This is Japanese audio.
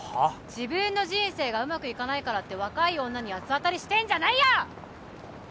自分の人生がうまくいかないからって若い女に八つ当たりしてんじゃないよ！